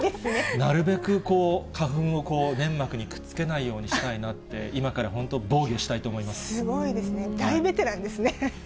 なるべく、花粉を粘膜にくっつけないようにしたいなって、今から本当、すごいですね、大ベテランですね。